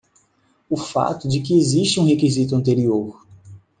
O fato de que existe um requisito anterior.